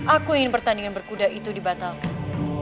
aku ingin pertandingan berkuda itu dibatalkan